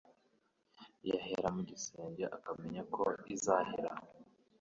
yahera mu gisenge akamenya ko izahera